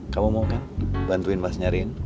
kamu mau kan bantuin mas nyarin